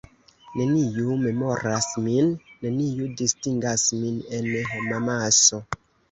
Neniu memoras min, neniu distingas min en homamaso.